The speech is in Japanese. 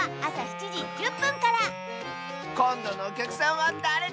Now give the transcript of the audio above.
こんどのおきゃくさんはだれかな？